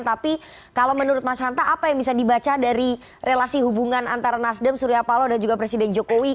tapi kalau menurut mas hanta apa yang bisa dibaca dari relasi hubungan antara nasdem surya paloh dan juga presiden jokowi